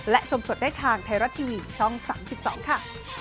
และชมสดได้ทางไทรัดทีวีช่องสามสิบสองค่ะ